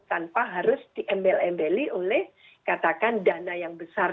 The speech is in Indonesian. tanpa harus diembel embeli oleh katakan dana yang besar